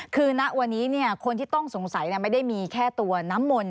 คือณวันนี้คนที่ต้องสงสัยไม่ได้มีแค่ตัวน้ำมนต